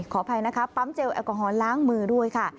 ขออภัยนะคะปั๊มเจลแอลกอฮอลล้างมือด้วยค่ะ